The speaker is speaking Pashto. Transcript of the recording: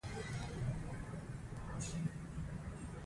که زه نن هڅه ونه کړم، سبا به پیل وکړم.